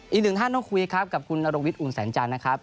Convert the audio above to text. อีกหนึ่งท่านต้องคุยครับกับคุณนรวิทอุ่นแสนจันทร์นะครับ